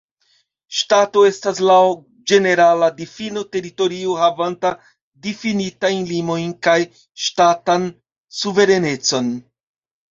Ŝtato estas laŭ ĝenerala difino teritorio havanta difinitajn limojn kaj ŝtatan suverenecon.